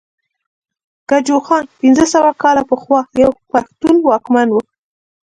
ګجوخان پنځه سوه کاله پخوا يو پښتون واکمن وو